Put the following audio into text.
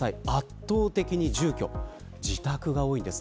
圧倒的に住居自宅が多いんです。